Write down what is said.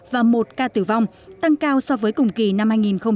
và một ca tử vong tăng cao so với cùng kỳ năm hai nghìn một mươi tám